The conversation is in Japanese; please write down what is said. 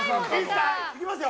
いきますよ。